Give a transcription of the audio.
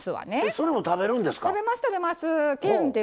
それも食べるんですか？